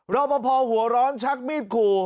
เวลาพอพาหัวร้อนชั้นชักมีดขู่